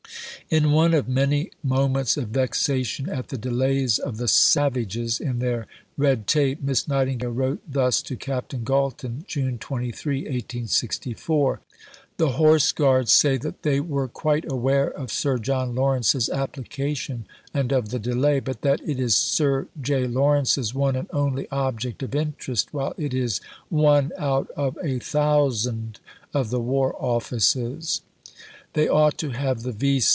In one of many moments of vexation at the delays of the "savages" in their red tape, Miss Nightingale wrote thus to Captain Galton (June 23, 1864): "The Horse Guards say that they were quite aware of Sir John Lawrence's application and of the delay, but that 'it is Sir J. Lawrence's one and only object of interest, while it is one out of a thousand of the War Office's.' They ought to have the V.